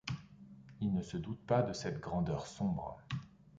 Il ne se doute pas de cette grandeur sombre.